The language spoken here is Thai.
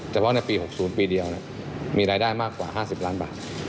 เฉพาะในปี๖๐ปีเดียวมีรายได้มากกว่า๕๐ล้านบาท